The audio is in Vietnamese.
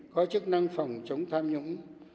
có chức năng phòng chống tham nhũng